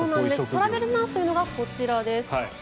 トラベルナースというのがこちらです。